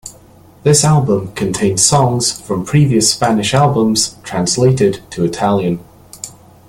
This album contains songs from previous Spanish albums translated to Italian.